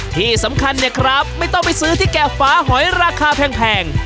ที่สำคัญเนี่ยครับไม่ต้องไปซื้อที่แก่ฟ้าหอยราคาแพง